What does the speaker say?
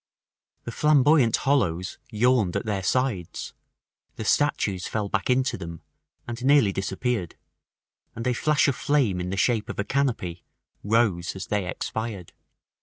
The Flamboyant hollows yawned at their sides, the statues fell back into them, and nearly disappeared, and a flash of flame in the shape of a canopy rose as they expired.